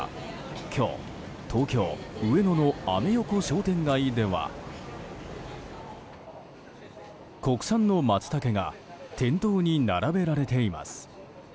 今日、東京・上野のアメ横商店街では国産のマツタケが店頭に並べられています。